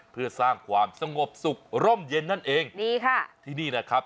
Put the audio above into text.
เพื่อสร้างความสงบสุขร่มเย็นนั่นเองดีค่ะที่นี่นะครับ